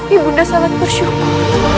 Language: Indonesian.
ibu saya sangat bersyukur